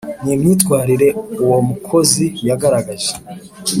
ni myitwarire uwo umukozi yagaragaje